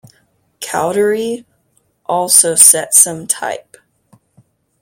Cowdery also set some type.